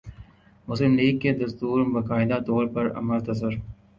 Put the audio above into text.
مسلم لیگ کا دستور باقاعدہ طور پر امرتسر